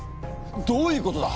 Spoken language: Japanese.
どういうことだ！？